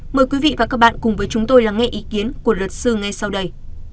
mời quý vị và các bạn cùng với chúng tôi lắng nghe ý kiến của luật sư ngay sau đây